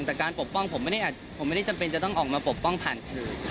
แต่การปกป้องผมไม่ได้จำเป็นจะต้องออกมาปกป้องผ่านสื่อ